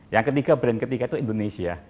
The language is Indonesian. yang ketiga brand ketiga itu indonesia